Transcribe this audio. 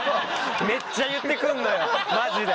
めっちゃ言ってくんのよマジで。